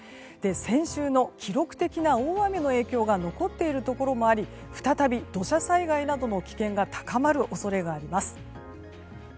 先週の記録的な大雨の影響が残っているところもあり再び土砂災害などの危険が高まる恐れがあります。